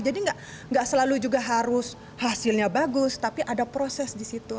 jadi nggak selalu juga harus hasilnya bagus tapi ada proses disitu